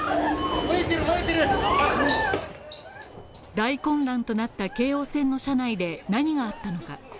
大混乱となった京王線の車内で何があったのか。